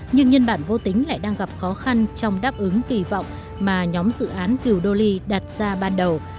nhưng nhân bản vô tính lại đang gặp khó khăn trong đáp ứng kỳ vọng mà nhóm dự án kyudoli đặt ra ban đầu